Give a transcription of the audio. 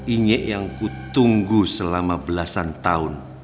inge yang ku tunggu selama belasan tahun